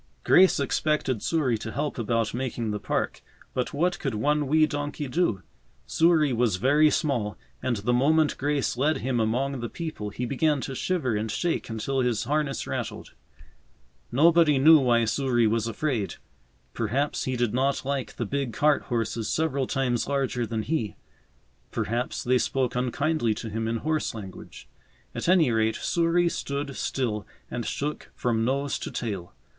Grace expected Souris to help about making the park, but what could one wee donkey do? Souris was very small, and the moment Grace led him among the people he began to shiver and shake until his harness rattled. Nobody knew why Souris was afraid. Perhaps he did not like the big cart horses several times larger than he; perhaps they spoke unkindly to him in horse language; at any rate, Souris stood still and shook from nose to tail.